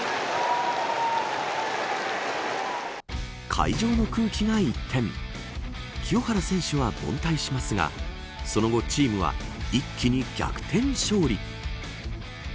会場の空気が一転清原選手は凡退しますがその後、チームは一気に逆転勝利。